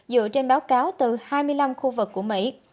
dựa trên báo cáo từ hai mươi năm khu vực của mỹ